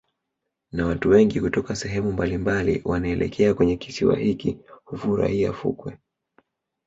Na watu wengi kutoka sehemu mbalimbali wanaelekea kwenye kisiwa hiki hufurahia fukwe